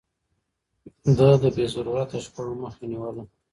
ده د بې ضرورته شخړو مخه نيوله.